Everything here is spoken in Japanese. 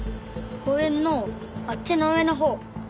公園のあっちの上のほう。